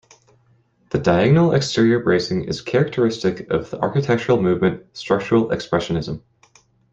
The diagonal exterior bracing is characteristic of the architectural movement structural expressionism.